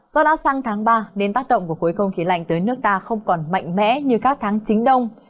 do đã sang tháng ba nên tác động của khối không khí lạnh tới nước ta không còn mạnh mẽ như các tháng chính đông